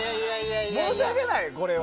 申し訳ない、これは。